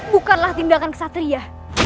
bukanlah tindakan kesatria